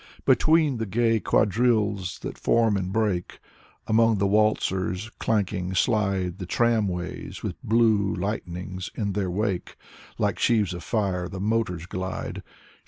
Between the gay quadrilles that form and break, Among the waltzers, clanking slide The tramways, with blue lightnings in their wake; Like sheaves of fire, the motors glide.